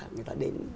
người ta đến